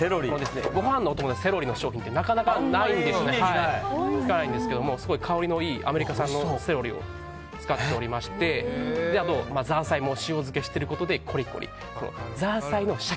ご飯のお供にセロリの商品ってあんまり聞かないんですけど香りのいいアメリカ産のセロリを使っておりましてザーサイも塩漬けしていることでコリコリ。